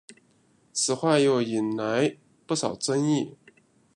此话又引来不少争议。